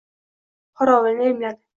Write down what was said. Qorovulni imladi.